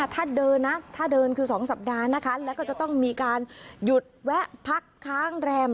ถ้าเดินนะถ้าเดินคือ๒สัปดาห์นะคะแล้วก็จะต้องมีการหยุดแวะพักค้างแรม